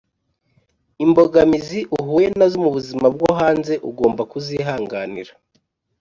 imbogamizi uhuye na zo mu buzima bwo hanze ugomba kuzihanganira